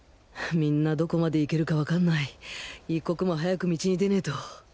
みんなどこまでいけるかわかんない一刻も早く道に出ねぇと